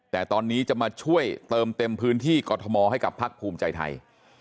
แต่ตอนนี้จะมาช่วยเติมเต็มพื้นที่กรทมให้กับพักภูมิใจไทย